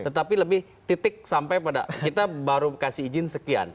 tetapi lebih titik sampai pada kita baru kasih izin sekian